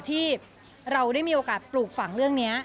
ที่เราได้มีโอกาสปลูกฝังเรื่องนี้